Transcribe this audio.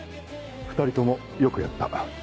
２人ともよくやった。